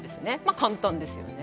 簡単ですよね。